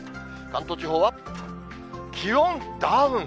関東地方は、気温ダウン。